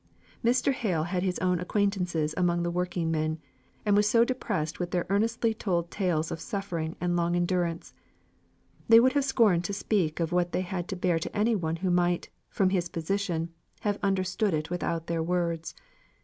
Mr. Hale had his own acquaintances among the working men, and was depressed with their earnestly told tales of suffering and long endurance. They would have scorned to speak of what they had to bear to any one who might, from his position, have understood it without their words.